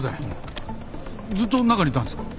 ずっと中にいたんですか？